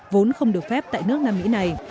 vốn không được phép tại nước nam mỹ này